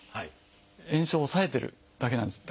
炎症を抑えてるだけなんです。